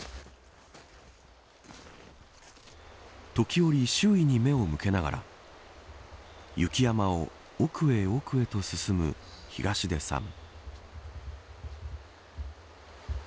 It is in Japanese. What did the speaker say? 時折、周囲に目を向けながら雪山を奥へ奥へと進む東出さん。